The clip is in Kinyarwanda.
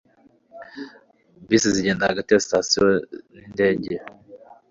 Bisi zigenda hagati ya sitasiyo nindege